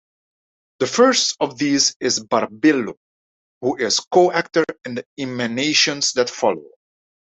The first of these is Barbelo, who is coactor in the emanations that follow.